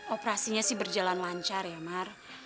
operasinya sih berjalan lancar ya mar